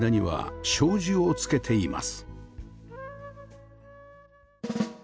はい。